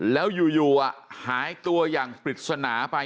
แล้วอยู่หายตัวอย่างปริศนาไป